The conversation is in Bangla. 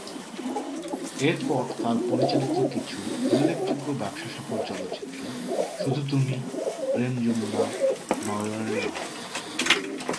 এরপর তার পরিচালিত কিছু উল্লেখযোগ্য ব্যবসা সফল চলচ্চিত্র শুধু তুমি, প্রেম যমুনা, নয়নের নয়ন।